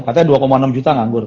katanya dua enam juta nganggur